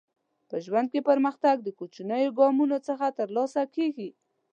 په ژوند کې پرمختګ د کوچنیو ګامونو څخه ترلاسه کیږي.